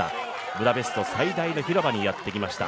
ブダペスト最大の広場にやってきました。